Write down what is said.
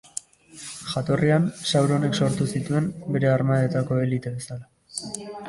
Jatorrian, Sauronek sortu zituen, bere armadetako elite bezala.